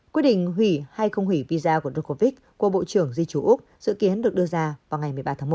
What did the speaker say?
quyết định hủy hay không hủy visa của rocovite của bộ trưởng di chủ úc dự kiến được đưa ra vào ngày một mươi ba tháng một